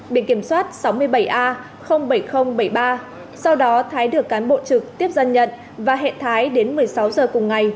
biển kiểm soát sáu mươi bảy a bảy nghìn bảy mươi ba sau đó thái được cán bộ trực tiếp dân nhận và hẹn thái đến một mươi sáu giờ cùng ngày